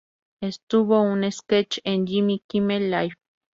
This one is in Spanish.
Estuvo en un sketch en Jimmy Kimmel Live!